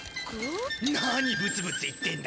何ブツブツ言ってんだ？